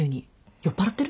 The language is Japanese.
酔っぱらってる？